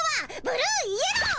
ブルーイエロー。